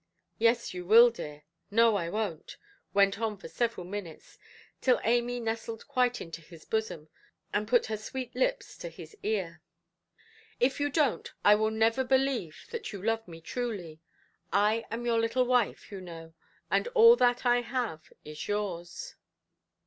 "Yes, you will, dear"; "No, I wonʼt"; went on for several minutes, till Amy nestled quite into his bosom, and put her sweet lips to his ear. "If you donʼt, I will never believe that you love me truly. I am your little wife, you know; and all that I have is yours".